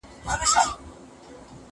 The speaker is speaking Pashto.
زه اوږده وخت کتابتون ته ځم!!